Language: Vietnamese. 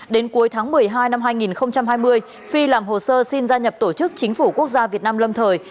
đến cuối tháng một mươi hai năm hai nghìn hai mươi phi làm hồ sơ xin gia nhập tổ chức chính phủ quốc gia việt nam lâm thời